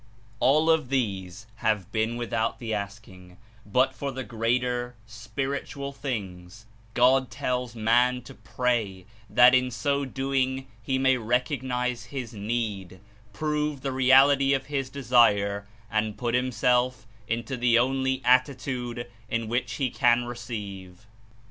All of these have been without the asking, but for the greater, spiritual things, God tells man to pray that In so doing he may recognize his need, prove the reality of his desire, and put himself Into the only attitude In which he can receive.